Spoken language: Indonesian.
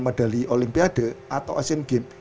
medali olimpiade atau asian games